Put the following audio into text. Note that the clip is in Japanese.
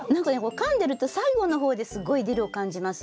かんでると最後の方ですごいディルを感じます。